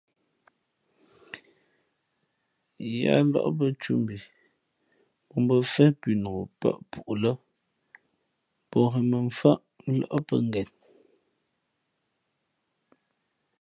Yáá lάʼ mbᾱ ntūmbhi pō bᾱ mfén pʉnók pάʼ pú lh́ pō ghěn mᾱmfάʼ lάʼ pαngen.